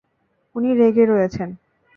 উনি রেগে রয়েছেন।